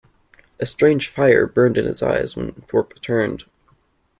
A strange fire burned in his eyes when Thorpe turned.